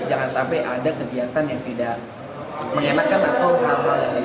jangan sampai ada kegiatan yang tidak menyenangkan atau hal hal yang tidak baik